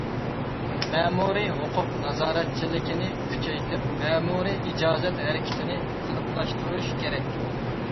مەمۇرىي ھوقۇق نازارەتچىلىكىنى كۈچەيتىپ، مەمۇرىي ئىجازەت ھەرىكىتىنى قېلىپلاشتۇرۇش كېرەك.